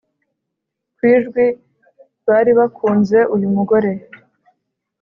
kwijwi baribakunze uyu mugore